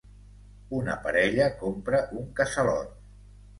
Una parella compra un casalot.